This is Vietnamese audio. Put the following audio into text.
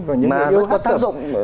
mà rất có tác dụng